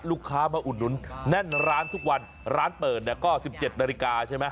ลูกค้ามาอุดหนุนแน่นร้านทุกวันร้านเปิดเนี่ยก็๑๗นาฬิกาใช่ไหม